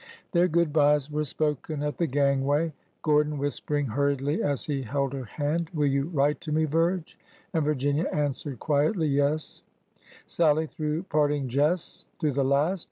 Their good bys were spoken at the gangway,— Gor don whispering hurriedly as he held her hand, Will you write to me, Virge?'' and Virginia answering quietly, ''Yes.'' Sallie threw parting jests to the last.